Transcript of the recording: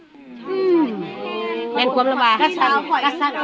อืมมันควรมระบาดครับสัน